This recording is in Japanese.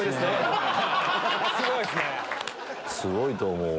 すごいと思うわ。